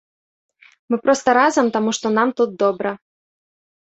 Мы проста разам, таму што нам тут добра.